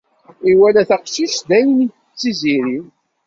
Iwala taqcict d ayen i d tiziri.